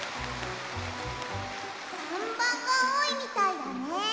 ３ばんがおおいみたいだね。